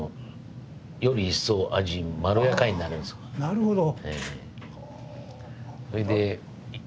なるほど。